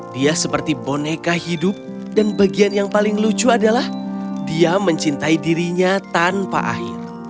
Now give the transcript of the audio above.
dia seperti boneka hidup dan bagian yang paling lucu adalah dia mencintai dirinya tanpa akhir